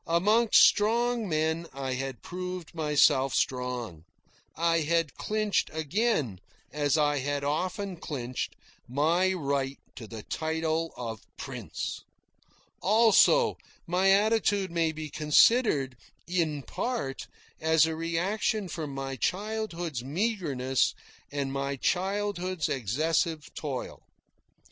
Amongst strong men I had proved myself strong. I had clinched again, as I had often clinched, my right to the title of "Prince." Also, my attitude may be considered, in part, as a reaction from my childhood's meagreness and my childhood's excessive toil.